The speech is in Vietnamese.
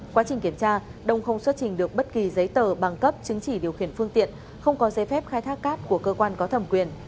quá trình kiểm tra đông không xuất trình được bất kỳ giấy tờ bằng cấp chứng chỉ điều khiển phương tiện không có giấy phép khai thác cát của cơ quan có thẩm quyền